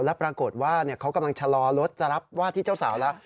แล้วปรากฏว่าเขากำลังชะลอรถจะรับว่าที่เจ้าสาวแล้ว